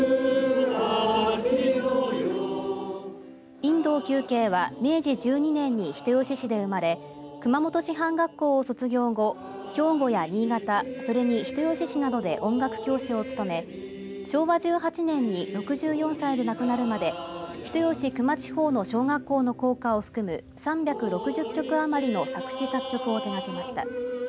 犬童球渓は明治１２年に人吉市で生まれ熊本師範学校を卒業後兵庫や新潟、それに人吉市などで音楽教師をつとめ昭和１８年に６４歳で亡くなるまで人吉球磨地方の小学校の校歌を含む３６０曲余りの作詞・作曲を手がけました。